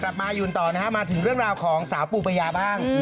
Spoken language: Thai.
มายืนต่อนะฮะมาถึงเรื่องราวของสาวปูปัญญาบ้าง